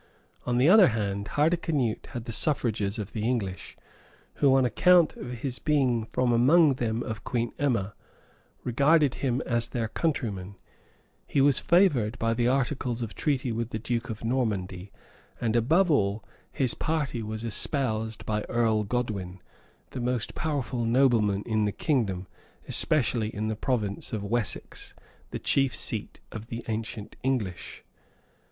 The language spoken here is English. On the other hand, Hardicanute had the suffrages of the English, who, on account of his being from among them of Queen Emma, regarded him as their countryman; he was favored by the articles of treaty with the duke of Normandy; and above all, his party was espoused by Earl Godwin, the most powerful nobleman in the kingdom, especially in the province of Wessex, the chief seat of the ancient English.